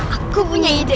aku punya ide